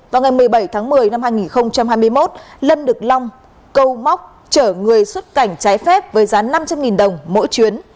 vào ngày một mươi bảy tháng một mươi năm hai nghìn hai mươi một lâm được long câu móc chở người xuất cảnh trái phép với giá năm trăm linh đồng mỗi chuyến